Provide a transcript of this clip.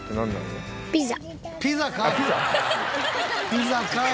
ピザかい！